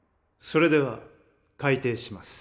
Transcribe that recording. それでは開廷します。